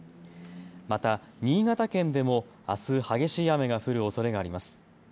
また、新潟県でもあす激しい雨が降るおそれがあります。